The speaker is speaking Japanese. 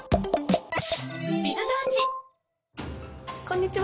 こんにちは。